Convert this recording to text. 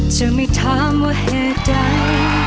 จะไม่ถามว่าเหตุใด